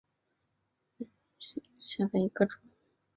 修蕨为水龙骨科修蕨属下的一个种。